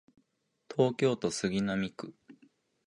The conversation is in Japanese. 東京都杉並区